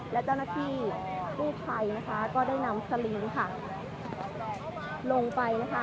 และเจ้าหน้าที่กู้ภัยนะคะก็ได้นำสลิงค่ะลงไปนะคะ